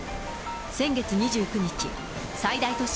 先月２９日、最大都市